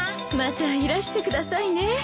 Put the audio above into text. またいらしてくださいね。